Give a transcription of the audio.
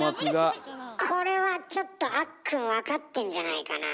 これはちょっとあっくん分かってんじゃないかなあ。